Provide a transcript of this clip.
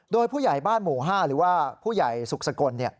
โดยผู้ใหญ่บ้านหมู่๕หรือว่าผู้ใหญ่สุขสกล